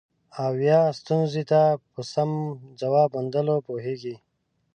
او یا ستونزې ته په سم ځواب موندلو پوهیږي.